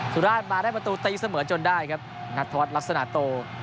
สุราชมาได้ประตูตีเสมอจนได้ครับนัทวัฒน์ลักษณะโต